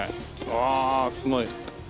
わあすごい。